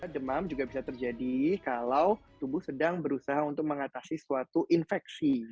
demam juga bisa terjadi kalau tubuh sedang berusaha untuk mengatasi suatu infeksi